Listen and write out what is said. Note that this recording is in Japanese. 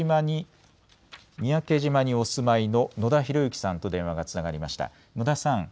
三宅島にお住まいの野田博之さんと電話がつながりました。